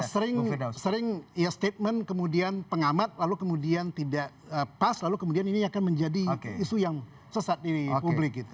ya karena sering statement kemudian pengamat lalu kemudian tidak pas lalu kemudian ini akan menjadi isu yang sesat di publik kita